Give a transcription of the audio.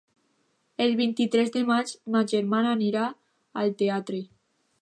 El vint-i-tres de maig ma germana anirà al teatre.